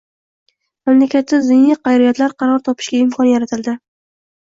Mamlakatda diniy qadriyatlar qaror topishiga imkon yaratildi.